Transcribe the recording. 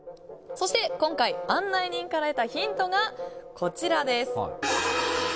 そして今回、案内人から得たヒントがこちらです。